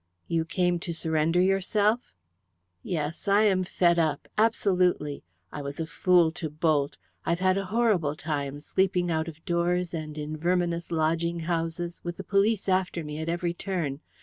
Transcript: "You came to surrender yourself?" "Yes; I am fed up absolutely. I was a fool to bolt. I've had a horrible time, sleeping out of doors and in verminous lodging houses, with the police after me at every turn.